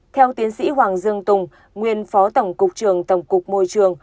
theo tiến sĩ hoàng dương tùng nguyên phó tổng cục trường tổng cục môi trường